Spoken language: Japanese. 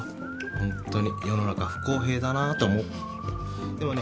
ホントに世の中不公平だなと思うでもね